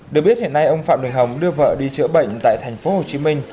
được biết hiện nay ông phạm đình hồng đưa vợ đi chữa bệnh tại thành phố hồ chí minh